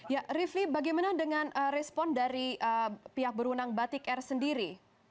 ya rifli bagaimana dengan respon dari pihak berwenang batik air sendiri